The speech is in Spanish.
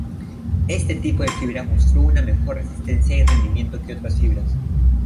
Este tipo de fibra mostró una mejor resistencia y rendimiento que otras fibras.